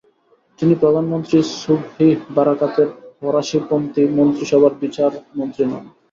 তিনি প্রধানমন্ত্রী সুবহি বারাকাতের ফরাসিপন্থি মন্ত্রিসভার বিচার মন্ত্রী হন।